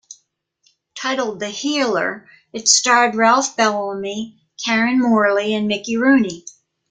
Titled "The Healer"," it starred Ralph Bellamy, Karen Morley and Mickey Rooney.